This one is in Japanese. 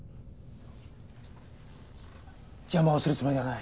邪魔をするつもりはない。